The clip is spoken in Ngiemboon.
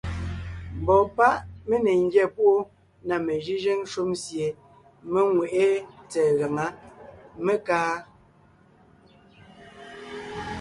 Mbɔɔ páʼ mé ne ńgyá púʼu na mejʉ́jʉ́ŋ shúm sie mé ŋweʼé tsɛ̀ɛ gaŋá, mé kaa.